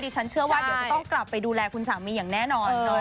ฉันเชื่อว่าเดี๋ยวจะต้องกลับไปดูแลคุณสามีอย่างแน่นอน